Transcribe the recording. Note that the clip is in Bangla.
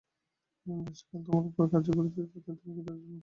যতদিন দেশ-কাল তোমার উপর কার্য করিতেছে, ততদিন তুমি ক্রীতদাসমাত্র।